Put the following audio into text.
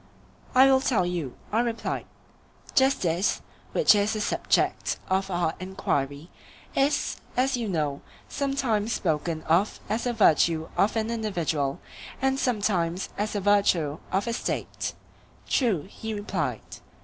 I will tell you, I replied; justice, which is the subject of our enquiry, is, as you know, sometimes spoken of as the virtue of an individual, and sometimes as the virtue of a State. True, he replied.